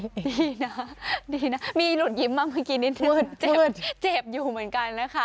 นี่นะดีนะมีหลุดยิ้มมากเมื่อกี้นิดนึงเจ็บเจ็บอยู่เหมือนกันนะคะ